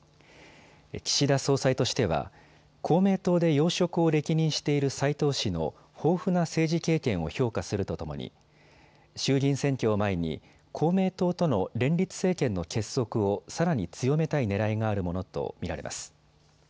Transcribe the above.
岸田総裁としては公明党で要職を歴任している斉藤氏の豊富な政治経験を評価するとともに衆議院選挙を前に公明党との連立政権の結束をさらに強めたいねらいがあるものと見られます。